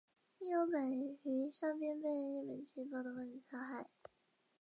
亦有百余伤兵被日本籍暴动分子杀害。